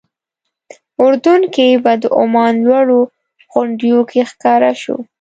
اردن کې به د عمان لوړو غونډیو کې ښکاره شو.